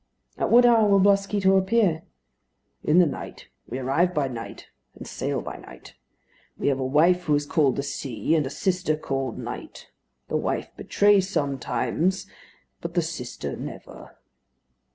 "At what hour will Blasquito appear?" "In the night. We arrive by night; and sail by night. We have a wife who is called the sea, and a sister called night. The wife betrays sometimes; but the sister never."